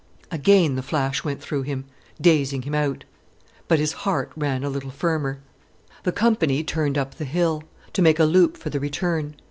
Again the flash went through him, dazing him out. But his heart ran a little firmer. The company turned up the hill, to make a loop for the return.